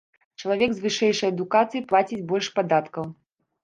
Чалавек з вышэйшай адукацыяй плаціць больш падаткаў.